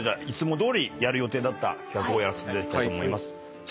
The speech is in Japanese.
いつもどおりやる予定だった企画をやらせていただきたいと思います。